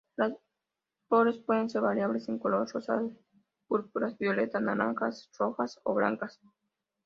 Los flores puede ser variables en color, rosadas, púrpuras, violeta, naranjas, rojas o blancas.